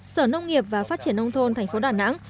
sở nông nghiệp và phát triển nông thôn thành phố đà nẵng